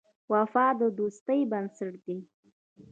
وفا د دوستۍ بنسټ دی.